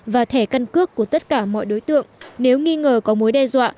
và thẻ căn cước của tất cả mọi đối tượng nếu nghi ngờ có mối đe dọa